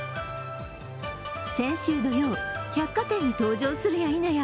先週土曜、百貨店に登場するやいなや